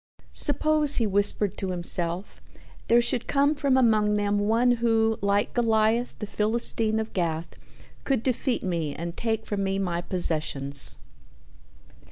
"Suppose," he whispered to himself, "there should come from among them one who, like Goliath the Philistine of Gath, could defeat me and take from me my possessions."